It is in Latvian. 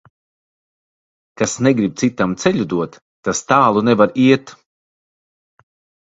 Kas negrib citam ceļu dot, tas tālu nevar iet.